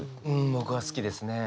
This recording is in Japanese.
僕は好きですね。